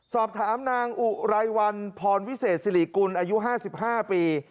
สอบถามนางอุไรวันพรวิเศษสิริกุลอายุ๕๕ปี